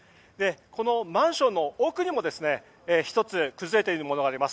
このマンションの奥にも１つ崩れているものがあります。